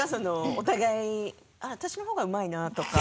お互い私の方がうまいなとか。